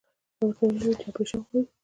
چا ورته ويلي وو چې اپرېشن غواړي.